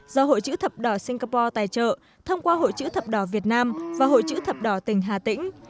do hội chữ thập đỏ singapore tài trợ thông qua hội chữ thập đỏ việt nam và hội chữ thập đỏ tỉnh hà tĩnh